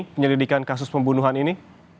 penyelidikan kasus pembunuhan ini